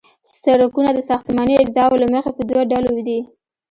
سرکونه د ساختماني اجزاوو له مخې په دوه ډلو دي